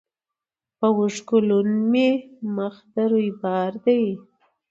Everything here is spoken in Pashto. په اوښکو لوند مي مخ د رویبار دی